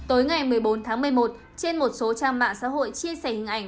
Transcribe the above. tối ngày một mươi bốn tháng một mươi một trên một số trang mạng xã hội chia sẻ hình ảnh